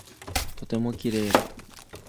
とても綺麗だ。